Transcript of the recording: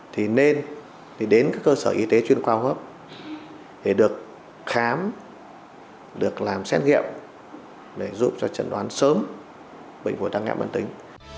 thì nên đến cơ sở y tế chuyên khoa học để được khám được làm xét nghiệm để giúp cho chẩn đoán sớm bệnh phổi tăng nghẹn mãn tính